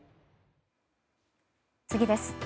次です。